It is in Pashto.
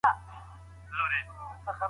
که ښځې زده کړې وکړي نو اقتصاد به کمزوری نه وي.